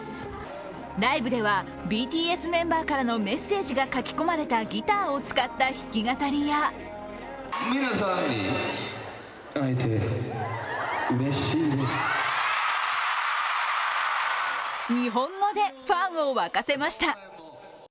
ライブでは、ＢＴＳメンバーからのメッセージが書き込まれたギターを使った弾き語りや日本語でファンを沸かせました。